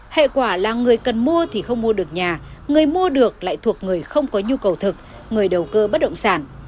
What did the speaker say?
hệ quả là người cần mua thì không mua được nhà người mua được lại thuộc người không có nhu cầu thực người đầu cơ bất động sản